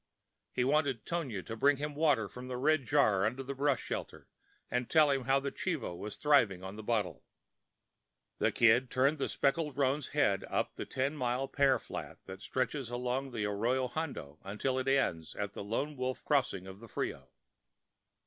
He wanted Tonia to bring him water from the red jar under the brush shelter, and tell him how the chivo was thriving on the bottle. The Kid turned the speckled roan's head up the ten mile pear flat that stretches along the Arroyo Hondo until it ends at the Lone Wolf Crossing of the Frio.